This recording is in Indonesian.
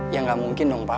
ya gak mungkin dong pak